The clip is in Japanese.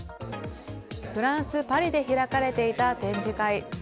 フランス・パリで開かれていた展示会。